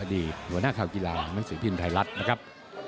อดีตหัวหน้าข่าวกีฬามันสือผิดไทยรัฐนะครับ